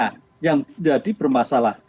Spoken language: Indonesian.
eksekusinya yang jadi bermasalah